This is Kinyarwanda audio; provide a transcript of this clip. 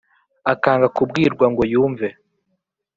akanga kubwirwa ngo yumve.